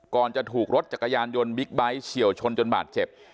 จะถูกรถจักรยานยนต์บิ๊กไบท์เฉียวชนจนบาดเจ็บ